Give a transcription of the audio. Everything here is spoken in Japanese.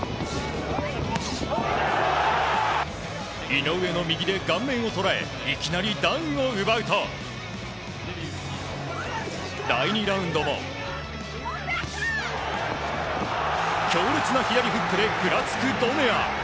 井上の右で顔面を捉えいきなりダウンを奪うと第２ラウンドも強烈な左フックでふらつくドネア。